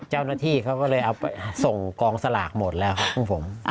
เจ้าหน้าที่เขาก็เลยเอาไปส่งกองสลากหมดแล้วครับของผม